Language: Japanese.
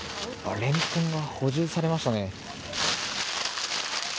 レンコンが補充されましたね。